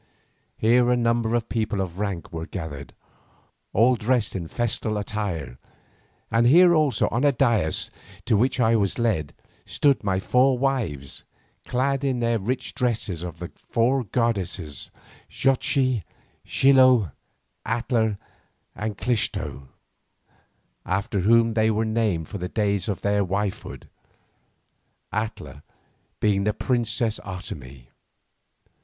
Here a number of people of rank were gathered, all dressed in festal attire, and here also on a dais to which I was led, stood my four wives clad in the rich dresses of the four goddesses Xochi, Xilo, Atla, and Clixto, after whom they were named for the days of their wifehood, Atla being the princess Otomie.